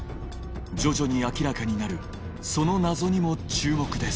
徐々に明らかになるその謎にも注目です